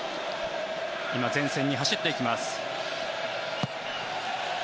今、前線に走っていきます。